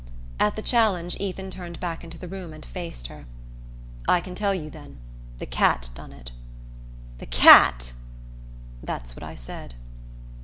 At the challenge Ethan turned back into the room and faced her. "I can tell you, then. The cat done it." "The cat?" "That's what I said."